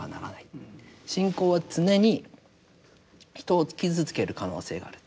信仰は常に人を傷つける可能性がある。